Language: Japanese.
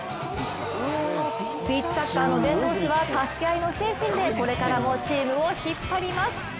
ビーチサッカーの伝道師は助け合いの精神でこれからもチームを引っ張ります。